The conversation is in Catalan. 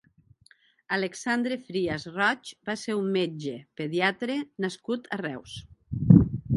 Alexandre Frías Roig va ser un metge pediatre nascut a Reus.